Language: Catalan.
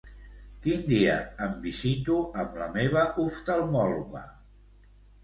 Quin dia em visito amb la meva oftalmòloga?